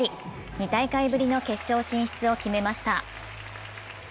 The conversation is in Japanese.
２大会ぶりの決勝進出を決めました。